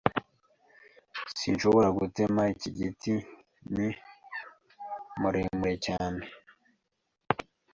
Sinshobora gutema iki giti. Ni muremure cyane.